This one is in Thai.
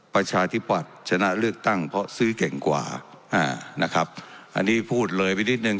ประชาธิปัตย์ชนะเลือกตั้งเพราะซื้อเก่งกว่าอ่านะครับอันนี้พูดเลยไปนิดนึง